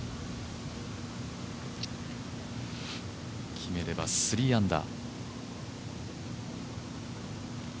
決めれば３アンダー。